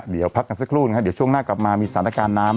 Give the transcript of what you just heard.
เดี๋ยวพักกันสักครู่นะครับเดี๋ยวช่วงหน้ากลับมามีสถานการณ์น้ำ